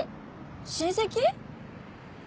親戚？